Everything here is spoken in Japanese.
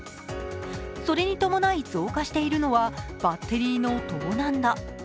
それに伴い増加しているのはバッテリーの盗難だ。